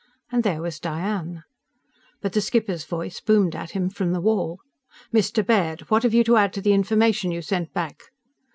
And there was Diane. But the skipper's voice boomed at him from the wall. "_Mr. Baird! What have you to add to the information you sent back?